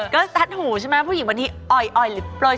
ก็ทัดหูใช่ไหมผู้หญิงบันทีออยหรือเปล่า